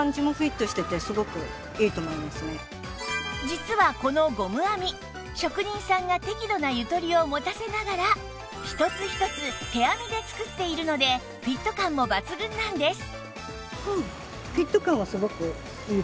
実はこのゴム編み職人さんが適度なゆとりを持たせながら一つ一つ手編みで作っているのでフィット感も抜群なんです